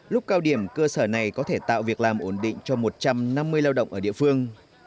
lúc cao điểm cơ sở này có thể tạo việc làm ổn định cho một trăm năm mươi lao động ở địa phương